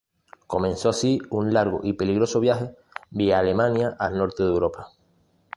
Comenzó así un largo y peligroso viaje vía Alemania al norte de Europa.